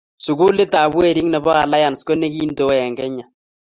sukulitab werik nebo alliance ko nekintee en kenya